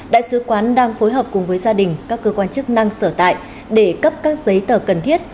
đại sứ quán đang phối hợp cùng với gia đình các cơ quan chức năng sở tại để cấp các giấy tờ cần thiết